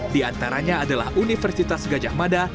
di antaranya adalah universitas gajah mada